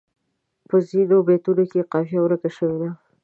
په ځینو بیتونو کې قافیه ورکه شوې ده.